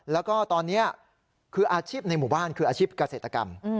แล้วก็ตอนนี้คืออาชีพในหมู่บ้านคืออาชีพเกษตรกรรม